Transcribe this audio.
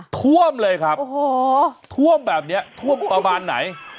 ท่วมเลยครับโอ้โหท่วมแบบนี้ท่วมประมาณไหน